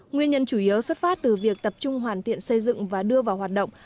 nguyên nhân chủ yếu xuất phát từ việc tập trung hoàn thiện xây dựng và đưa vào hoạt động